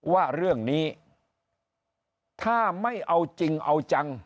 ว่าเรื่องนี้ถ้าไม่เอาจริงเอาจัง